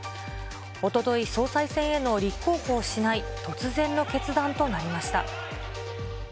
おととい、総裁選への立候補をしない突然の決断となりました。